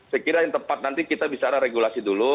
saya kira yang tepat nanti kita bicara regulasi dulu